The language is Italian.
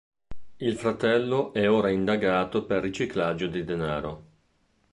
Il fratello è ora indagato per riciclaggio di denaro.